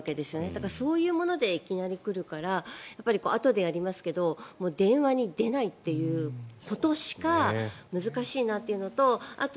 だからそういうものでいきなり来るからあとでやりますけど電話に出ないということしか難しいなというのとあと